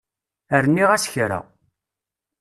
Rniɣ-as kra.